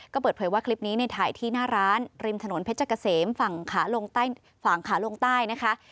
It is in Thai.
ก็เปิดเผยว่าคลิปนี้ในถ่ายที่หน้าร้านริมถนนเพชรเกษมฝั่งขาลงฝั่งขาลงใต้นะคะ